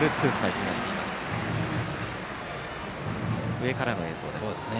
上からの映像です。